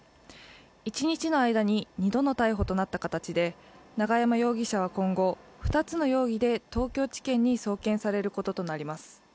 一日の間に２度の逮捕となった形で永山容疑者は今後、２つの容疑で東京地検に送検されることとなります。